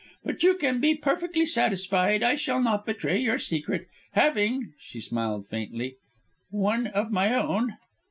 But you can be perfectly satisfied. I shall not betray your secret, having," she smiled faintly, "one of my own."